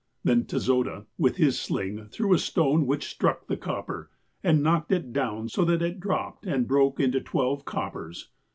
"Then Tezoda, with his sling, threw a stone, which struck the copper, and knocked it down so that it dropped and broke into twelve ' coppers.'